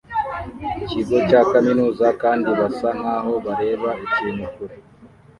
kigo cya kaminuza kandi basa nkaho bareba ikintu kure